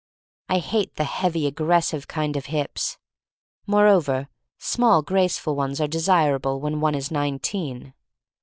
I hate that heavy, aggres sive kind of hips. Moreover, small, graceful ones are desirable when one is nineteen.